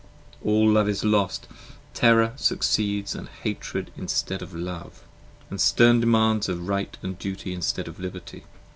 10 All Love is lost! terror succeeds & Hatred instead of Love, And stern demands of Right & Duty instead of Liberty.